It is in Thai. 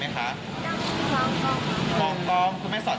ก็ต้องร้องไฮล์